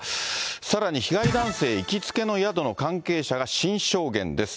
さらに、被害男性行きつけの宿の関係者が新証言です。